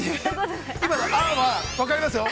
◆今の「あっ」は分かりますよ。